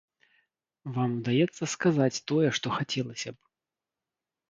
Вам удаецца сказаць тое, што хацелася б?